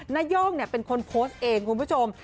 น้าโย่งเนี้ยเป็นคนโพสต์เองคุณผู้ชม